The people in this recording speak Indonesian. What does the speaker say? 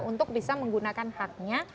untuk bisa menggunakan haknya